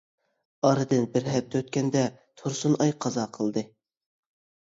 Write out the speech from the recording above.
ئارىدىن بىر ھەپتە ئۆتكەندە تۇرسۇنئاي قازا قىلدى.